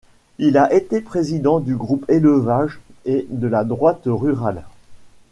Il a été président du Groupe élevage, et de la Droite rurale.